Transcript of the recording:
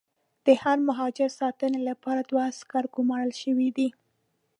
د هر مهاجر ساتنې لپاره دوه عسکر ګومارل شوي دي.